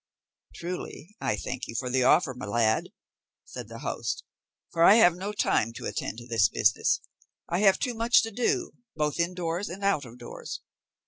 "Truly I thank you for the offer, my lad," said the host, "for I have no time to attend to this business; I have too much to do, both indoors and out of doors.